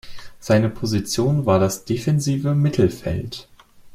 Seine Position war das defensive Mittelfeld.